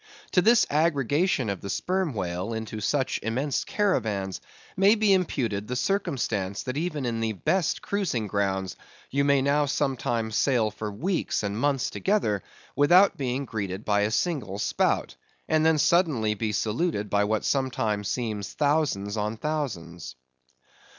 To this aggregation of the Sperm Whale into such immense caravans, may be imputed the circumstance that even in the best cruising grounds, you may now sometimes sail for weeks and months together, without being greeted by a single spout; and then be suddenly saluted by what sometimes seems thousands on thousands.